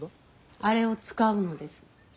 あれを使うのです。